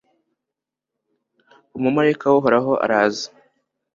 umumalayika w'uhoraho araza